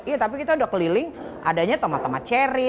iya tapi kita udah keliling adanya tomat tomat cherry